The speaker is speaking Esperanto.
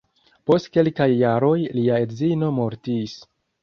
Post kelkaj jaroj lia edzino mortis.